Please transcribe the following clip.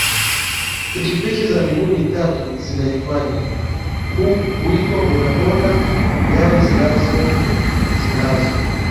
pikipiki za miguu mitatu zinaitwaje huitwa boda boda gari zinazo zinazo